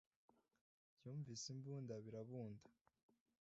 Byumvise imbunda birabunda